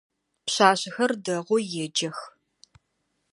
Пшъашъэхэр дэгъоу еджэх.